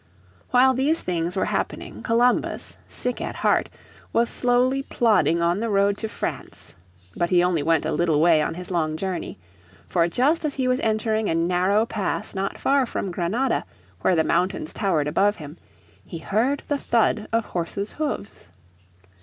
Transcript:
While these things were happening Columbus, sick at heart, was slowly plodding on the road to France. But he only went a little way on his long journey. For just as he was entering a narrow pass not far from Granada, where the mountains towered above him, he heard the thud of horses' hoofs.